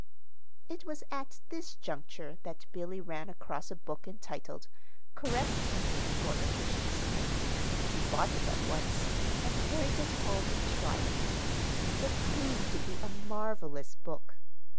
It was at this juncture that Billy ran across a book entitled "Correct Eating for Efficiency." She bought it at once, and carried it home in triumph. It proved to be a marvelous book.